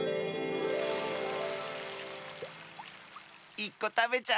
１こたべちゃう？